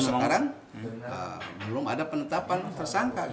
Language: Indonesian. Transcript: sekarang belum ada penetapan tersangka